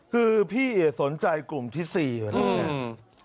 คือพี่เอ๋สนใจกลุ่มที่๔อยู่นะคะ